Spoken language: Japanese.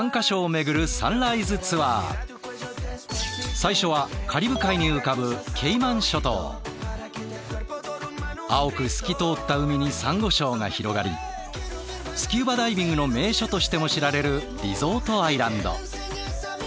最初はカリブ海に浮かぶ青く透き通った海にサンゴ礁が広がりスキューバダイビングの名所としても知られるリゾートアイランド。